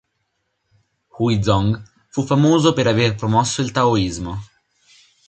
Hui Zong fu famoso per aver promosso il Taoismo.